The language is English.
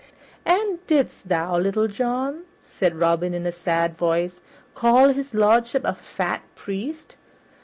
"And didst thou, Little John," said Robin in a sad voice, "call his lordship a fat priest?"